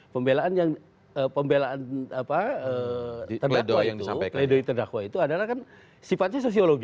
pembelaan terdakwa itu adalah sifatnya sosiologis